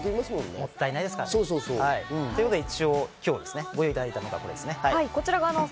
もったいないですから、ということで今日、ご用意いただいたのがこちらです。